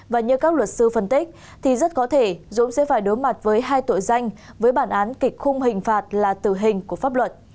và như các luật sư phân tích thì rất có thể dũng sẽ phải đối mặt với hai tội danh với bản án kịch khung hình phạt là tử hình của pháp luật